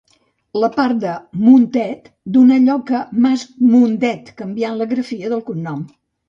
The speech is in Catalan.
La part de Montet donà lloc al mas Mundet, canviant la grafia del cognom.